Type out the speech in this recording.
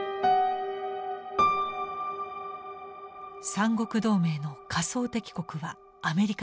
三国同盟の仮想敵国はアメリカでした。